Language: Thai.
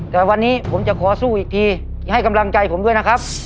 แต่วันนี้ผมจะขอสู้อีกทีให้กำลังใจผมด้วยนะครับ